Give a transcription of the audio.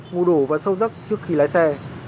ngủ đủ và sâu giấc trước khi lái xe